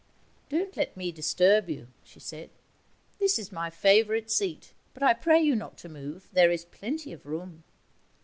'Don't let me disturb you,' she said. 'This is my favourite seat; but I pray you not to move, there is plenty of room.'